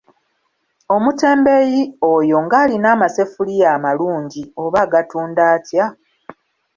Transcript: Omutembeeyi oyo ng'alina amaseffuliya amalungi oba agatunda atya?